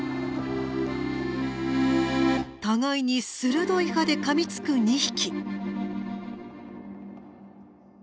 互いに鋭い歯でかみつく２匹。